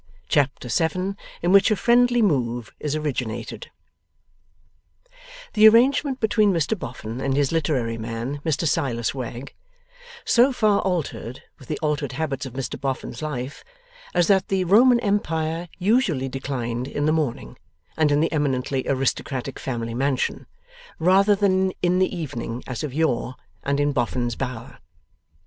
Chapter 7 IN WHICH A FRIENDLY MOVE IS ORIGINATED The arrangement between Mr Boffin and his literary man, Mr Silas Wegg, so far altered with the altered habits of Mr Boffin's life, as that the Roman Empire usually declined in the morning and in the eminently aristocratic family mansion, rather than in the evening, as of yore, and in Boffin's Bower.